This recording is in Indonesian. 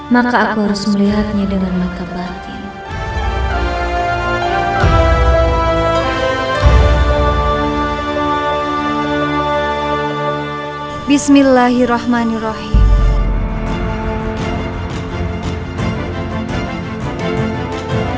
maka aku harus melihatnya dengan mata batin